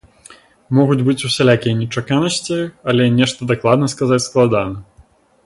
Могуць быць усялякія нечаканасці, але нешта дакладна сказаць складана.